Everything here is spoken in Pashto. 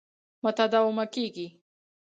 متداومه کېږي.